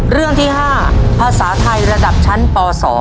เรื่องที่๕ภาษาไทยระดับชั้นป๒